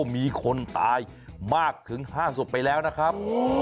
มีคนตายมากถึง๕ศพไปแล้วนะครับ